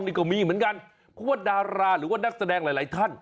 นี่ก็มีเหมือนกันเพราะว่าดาราหรือว่านักแสดงหลายท่าน